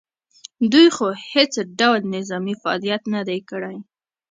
دوی خو هېڅ ډول نظامي فعالیت نه دی کړی